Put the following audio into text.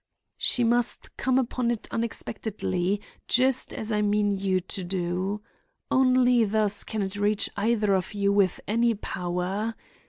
She must come upon it unexpectedly, just as I mean you to do. Only thus can it reach either of you with any power.